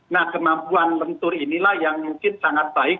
nah kemampuan lentur inilah yang mungkin sangat baik